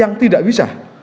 yang tidak bisa